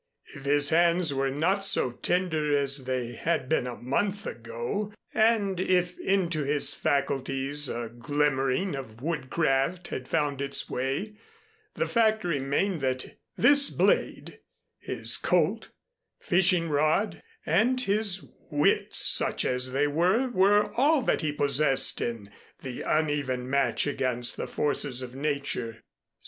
If his hands were not so tender as they had been a month ago, and if into his faculties a glimmering of woodcraft had found its way, the fact remained that this blade, his Colt, fishing rod and his wits (such as they were), were all that he possessed in the uneven match against the forces of Nature.